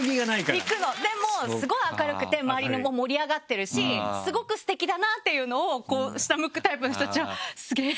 でもスゴい明るくて周りも盛り上がってるしスゴくすてきだなっていうのを下向くタイプの人たちは「スゲェ！」